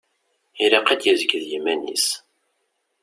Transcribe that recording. Ilaq ad d-yezg d yiman-is.